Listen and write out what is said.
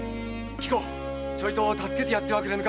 貴公ちょいと助けてやってくれぬか？